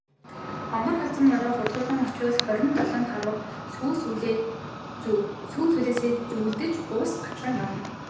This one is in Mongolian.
Хонгор халзан мориороо хурдлан очвол харин долоон тарвага сүүл сүүлнээсээ зүүлдэж ус гатлан явна.